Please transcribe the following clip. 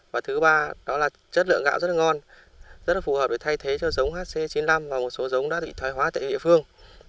và thứ ba đó là chất lượng gạo rất là ngon rất là phù hợp để thay thế cho giống hc chín mươi năm và một số giống đã bị thoái hóa tại địa phương